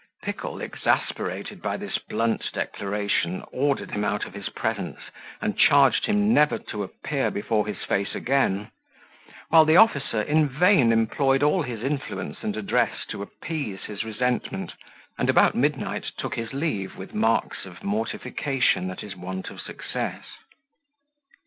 Pickle, exasperated at this blunt declaration, ordered him out of his presence, and charged him never to appear before his face again; while the officer in vain employed all his influence and address to appease his resentment, and about midnight took his leave with marks of mortification at his want of success.